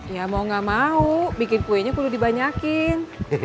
ya mau gak mau bikin kuenya perlu dibanyakin